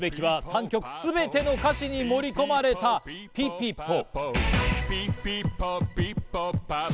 注目すべきは３曲全ての歌詞に盛り込まれたピピポ。